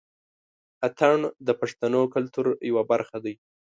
اتڼ د پښتنو کلتور يوه برخه دى.